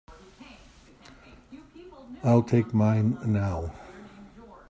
I'll take mine now.